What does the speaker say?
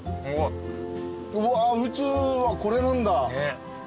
うわ宇宙はこれなんだ。